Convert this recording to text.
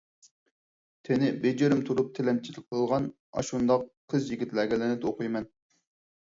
تېنى بېجىرىم تۇرۇپ تىلەمچىلىك قىلغان ئاشۇنداق قىز-يىگىتلەرگە لەنەت ئوقۇيمەن!